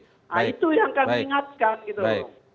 nah itu yang kami ingatkan